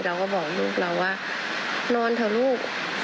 เราก็บอกลูกเราว่านอนเถอะลูก